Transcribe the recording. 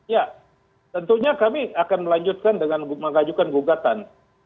ya tentunya kami akan melanjutkan dengan mengajukan gugatan